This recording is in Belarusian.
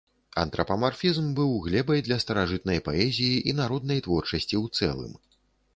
Антрапамарфізм быў глебай для старажытнай паэзіі і народнай творчасці ў цэлым.